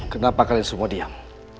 kenapa kalian semua diam